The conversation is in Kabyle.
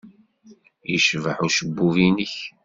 Yecbeḥ ucebbub-nnek.